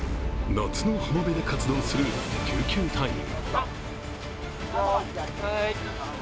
夏の浜辺で活動する救急隊員。